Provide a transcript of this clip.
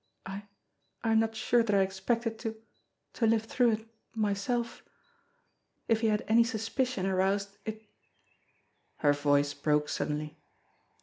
I I am not sure that I ex pected to to live through it myself. If he had any sus picion aroused it " Her voice broke suddenly.